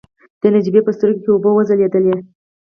د نجيبې په سترګو کې اوبه وځلېدلې.